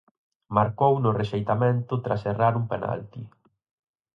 Marcou no rexeitamento tras errar un penalti.